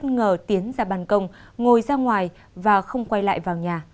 người đẹp đã bàn công ngồi ra ngoài và không quay lại vào nhà